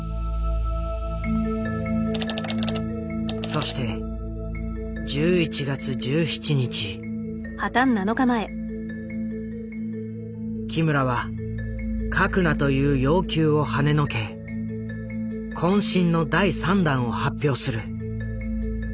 そして木村は書くなという要求をはねのけ渾身の第３弾を発表する。